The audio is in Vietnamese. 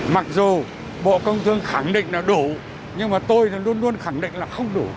mặc dù bộ công thương khẳng định là đủ nhưng mà tôi thì luôn luôn khẳng định là không đủ